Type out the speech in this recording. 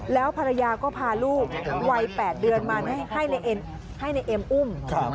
แล้วภรรยาก็พาลูกวัย๘เดือนมาให้นายเอ็มอุ้ม